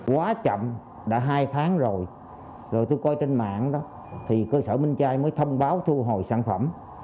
quá chậm đã hai tháng rồi tôi coi trên mạng đó thì cơ sở minh trai mới thông báo thu hồi sản phẩm